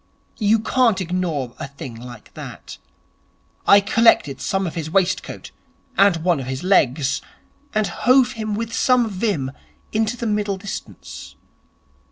You can't ignore a thing like that. I collected some of his waistcoat and one of his legs, and hove him with some vim into the middle distance.